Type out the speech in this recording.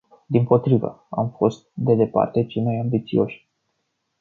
Dimpotrivă, am fost, de departe, cei mai ambițioși.